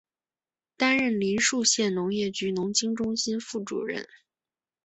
担任临沭县农业局农经中心副主任。